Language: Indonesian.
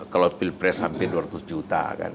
kalau pilpres hampir dua ratus juta kan